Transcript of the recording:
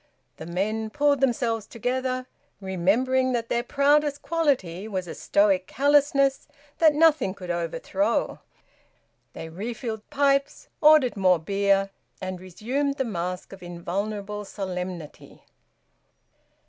The men pulled themselves together, remembering that their proudest quality was a stoic callousness that nothing could overthrow. They refilled pipes, ordered more beer, and resumed the mask of invulnerable solemnity.